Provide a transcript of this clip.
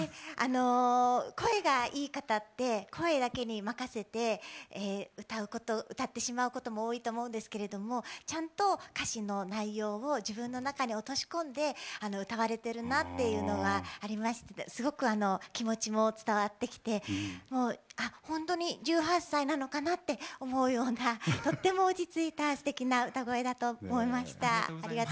声がいい方って声だけに任せて歌ってしまうことも多いと思うんですけれどもちゃんと歌詞の内容を自分の中に落とし込んで歌われているなっていうのがありましてすごく気持ちも伝わってきて本当に１８歳なのかなって思うようなとっても落ち着いたすてきな歌声だと思いました。